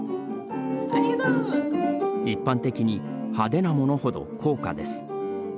一般的に派手なものほど高価です。